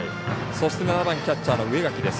そして７番にキャッチャーの植垣です。